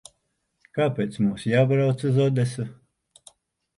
Kāpēc mums jābrauc uz Odesu?